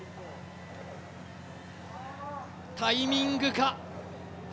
タイミングか。